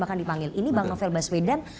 akan dipanggil ini bang novel baswedan